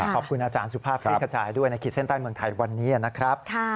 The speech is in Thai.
ขอบคุณอาจารย์สุภาพคลิกขจายด้วยในขีดเส้นใต้เมืองไทยวันนี้นะครับ